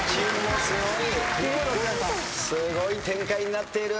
すごい展開になっている。